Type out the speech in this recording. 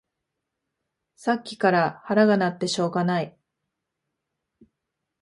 さっきから腹が鳴ってしょうがない